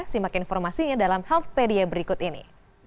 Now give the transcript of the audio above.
simak informasinya dalam healthpedia berikut ini